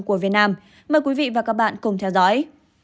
của việt nam mời quý vị và các bạn cùng theo dõi